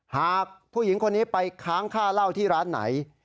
หากผู้หญิงคนนี้ไปค้างค่าเหล้าที่ร้านไหน